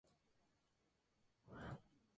El progreso de la villa de Huaral fue muy lento.